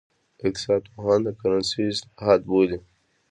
اقتصاد پوهان یې د کرنسۍ اصلاحات بولي.